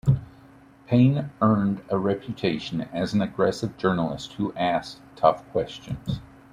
Payne earned a reputation as an aggressive journalist who asked tough questions.